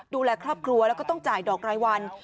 ดูแลครอบครัวแล้วก็ต้องจ่ายดอกรายวัน